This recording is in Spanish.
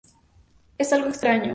Es algo extraño.